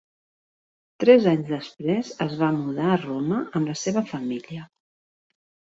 Tres anys després, es va mudar a Roma amb la seva família.